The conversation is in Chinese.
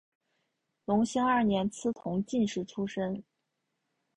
隆兴二年赐同进士出身。